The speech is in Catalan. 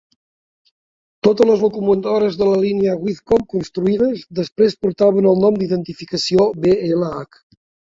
Totes les locomotores de la línia Whitcomb construïdes després portaven el nom d'identificació B-L-H.